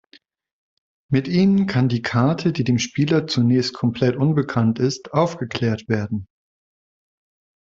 Mit ihnen kann die Karte, die dem Spieler zunächst komplett unbekannt ist, aufgeklärt werden.